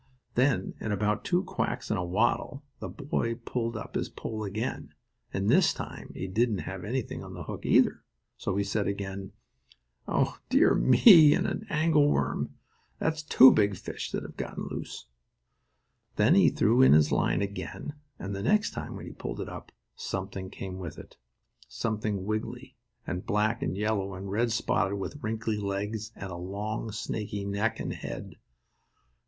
Then, in about two quacks and a waddle, the boy pulled up his pole again, and this time he didn't have anything on the hook, either. So he said again: "Oh, dear me, and an angle worm! That's two big fish that have gotten loose." Then he threw in his line again, and the next time when he pulled it up something came with it. Something wiggily, and black and yellow and red spotted with wrinkly legs and a long snaky neck and head.